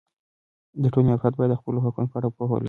د ټولنې افراد باید د خپلو حقونو په اړه پوهه ولري.